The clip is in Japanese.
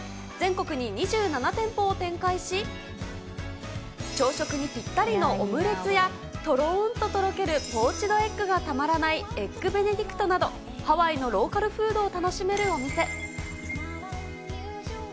全国に２７店舗を展開し、朝食にぴったりのオムレツやとろーんととろけるポーチドエッグがたまらないエッグベネディクトなど、ハワイのローカルフードを楽しめるお店。